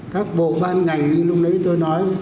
các bộ ban ngành như lúc nãy tôi nói